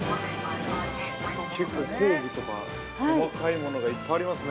◆結構、工具とか細かいものがいっぱいありますね。